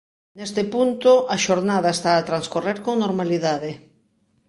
Neste punto, a xornada está a transcorrer con normalidade.